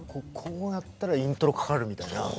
こうなったらイントロかかるみたいな。